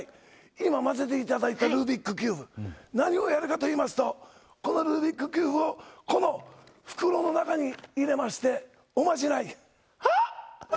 今、混ぜていただいたルービックキューブ、何をやるかといいますと、このルービックキューブを、この袋の中に入れまして、おまじない、はぁ！